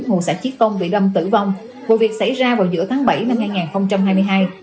nguồn xã chiết công bị đâm tử vong vụ việc xảy ra vào giữa tháng bảy năm hai nghìn hai mươi hai